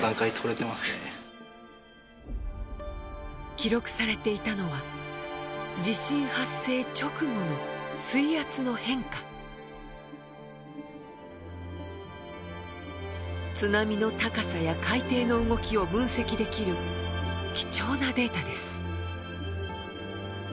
記録されていたのは津波の高さや海底の動きを分析できる貴重なデータです。